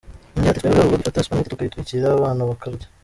Undi ati “Twebwe ubu dufata supanet tukayitwikira abana bakarya.